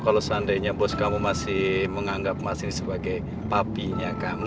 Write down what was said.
kalo seandainya bos kamu masih menganggap mas ini sebagai papinya kamu